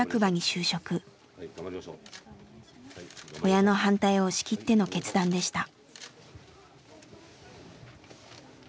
親の反対を押し切っての決断でした。